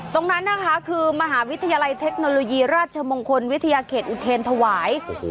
ตรงนั้นนะคะคือมหาวิทยาลัยเทคโนโลยีราชมงคลวิทยาเขตอุเทรนธวาย